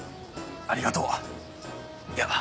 ありがとう。いや。